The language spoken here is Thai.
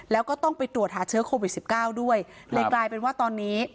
แล้วก็ต้องไปตรวจหาเชื้อโควิดสิบเก้าด้วยเลยกลายเป็นว่าตอนนี้